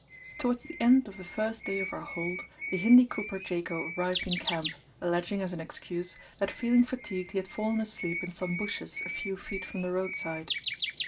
Towards the end of the first day of our halt the Hindi cooper Jako arrived in camp, alleging as an excuse, that feeling fatigued he had fallen asleep in some bushes a few feet from the roadside.